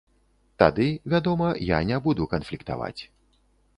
Тады, вядома, я не буду канфліктаваць.